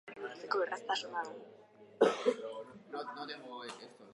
Italiarrak erorikoa izan du bigarren entrenamendu libreetan eta tibia eta peronea hautsi ditu.